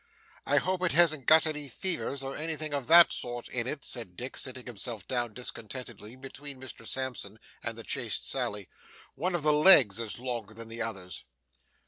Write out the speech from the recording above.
'I hope it hasn't got any fevers or anything of that sort in it,' said Dick, sitting himself down discontentedly, between Mr Sampson and the chaste Sally. 'One of the legs is longer than the others.